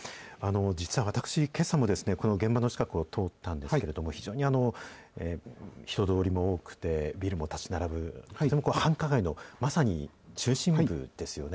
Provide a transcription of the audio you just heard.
実は私、けさもこの現場の近くを通ったんですけれども、非常に人通りも多くて、ビルも建ち並ぶ、とても繁華街の、まさに中心部ですよね。